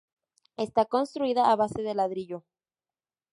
Está construida a base de ladrillo.